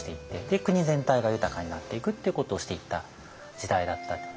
で国全体が豊かになっていくっていうことをしていった時代だったと。